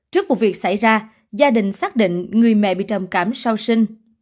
trước một việc xảy ra gia đình xác định người mẹ bị trồng cảm sau sinh